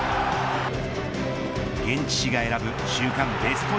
現地誌が選ぶ週間ベスト